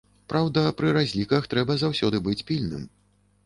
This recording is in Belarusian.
Праўда, пры разліках трэба заўсёды быць пільным.